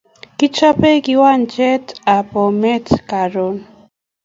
Kichape kiwanjet ab Bomet karon